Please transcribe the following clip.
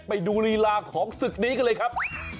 ไปดูลีลาของศึกนี้กันเลยครับ